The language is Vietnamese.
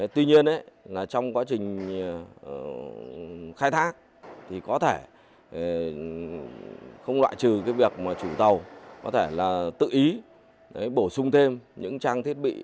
tuy nhiên trong quá trình khai thác thì có thể không loại trừ việc chủ tàu có thể tự ý bổ sung thêm những trang thiết bị